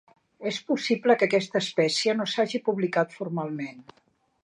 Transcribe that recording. És possible que aquesta espècie no s'hagi publicat formalment.